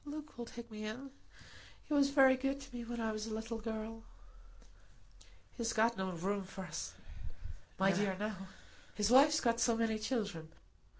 Luke will take me in. He was very good to me when I was a little girl." "He's got no room for us, my dear, now; his wife's got so many children.